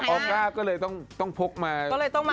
ออก้าก็เลยต้องพกมา